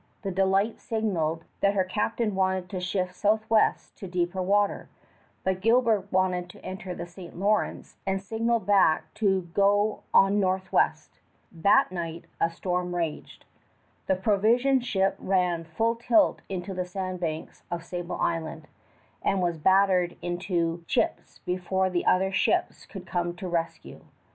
The Delight signaled that her captain wanted to shift southwest to deeper water, but Gilbert wanted to enter the St. Lawrence and signaled back to go on northwest. That night a storm raged. The provision ship ran full tilt into the sand banks of Sable Island, and was battered into chips before the other ships could come to rescue.